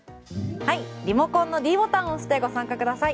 リモコンのｄボタンを押してご参加ください。